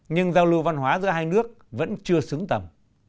nhưng giao lưu văn hóa giữa hai nước vẫn chưa xứng tầm